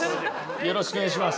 よろしくお願いします。